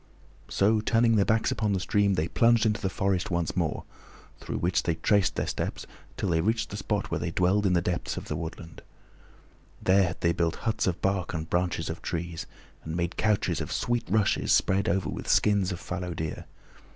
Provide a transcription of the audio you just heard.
So turning their backs upon the stream, they plunged into the forest once more, through which they traced their steps till they reached the spot where they dwelled in the depths of the woodland. There had they built huts of bark and branches of trees, and made couches of sweet rushes spread over with skins of fallow deer.